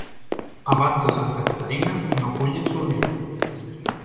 Abans de Santa Caterina, no cullis l'oliva.